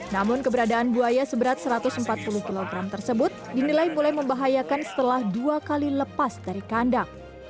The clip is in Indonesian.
namun keberadaan buaya seberat satu ratus empat puluh kg tersebut dinilai mulai membahayakan setelah dua kali lepas dari kandang